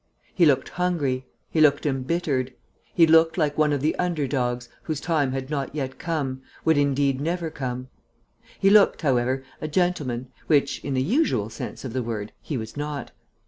He looked hungry; he looked embittered; he looked like one of the under dogs, whose time had not come yet, would, indeed, never come. He looked, however, a gentleman, which, in the usual sense of the word, he was not.